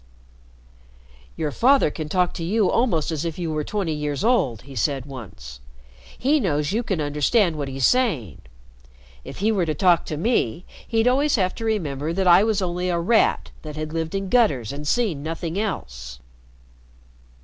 "Your father can talk to you almost as if you were twenty years old," he said once. "He knows you can understand what he's saying. If he were to talk to me, he'd always have to remember that I was only a rat that had lived in gutters and seen nothing else."